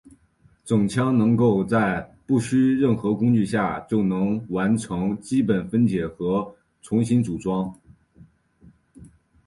整枪能够在不需任何工具下就能完成基本分解和重新组装。